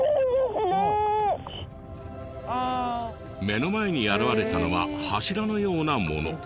目の前に現れたのは柱のようなもの。